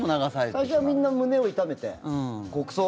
最初はみんな胸を痛めて国葬？